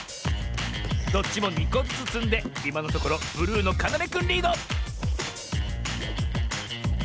⁉どっちも２こずつつんでいまのところブルーのかなめくんリード！